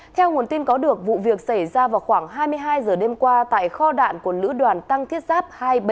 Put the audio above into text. theo nguồn tin có được vụ việc xảy ra vào khoảng hai mươi hai h đêm qua tại kho đạn của lữ đoàn tăng thiết giáp hai trăm ba mươi bảy